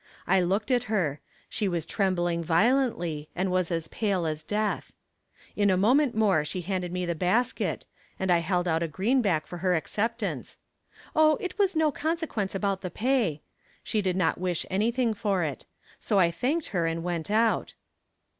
I looked at her; she was trembling violently, and was as pale as death. In a moment more she handed me the basket, and I held out a greenback for her acceptance; "Oh, it was no consequence about the pay;" she did not wish anything for it. So I thanked her and went out.